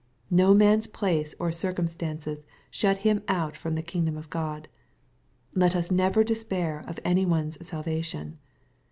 No man's place or circumstances shut him out from the kingdom of God. Let us never despair of any one's salvation.